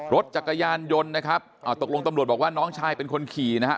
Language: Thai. รถจักรยานยนต์นะครับตกลงตำรวจบอกว่าน้องชายเป็นคนขี่นะครับ